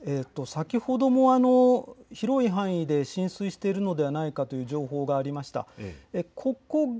先ほども広い範囲で浸水しているのではないかという情報がありました。